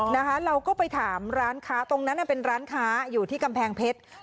นะคะเราก็ไปถามร้านค้าตรงนั้นเป็นร้านค้าอยู่ที่กำแพงเพชร